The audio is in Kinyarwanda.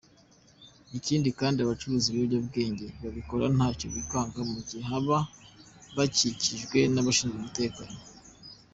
Ikindi kandi abacuruza ibiyobyabwenge babikora ntacyo bikanga mu gihe baba bakikijwe n’abashinzwe umutekano.